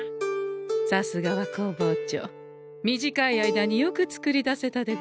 さすがは工房長短い間によく作り出せたでござんすね。